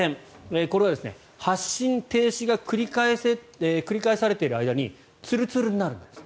これは発進・停止が繰り返されている間にツルツルになるんですって。